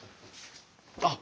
あっ